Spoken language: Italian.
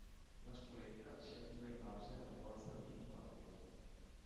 La spoletta si attiva in base alla forza di impatto.